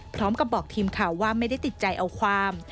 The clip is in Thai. พร้อมกับบอกทีมข่าวว่าไม่ได้ติดใจเอาความ